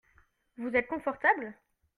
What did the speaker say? Vous êtes confortable ?